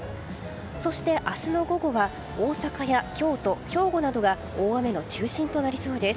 そして、明日の午後は大阪や京都、兵庫などが大雨の中心となりそうです。